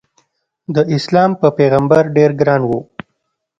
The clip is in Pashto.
داسلام په پیغمبر ډېر ګران و.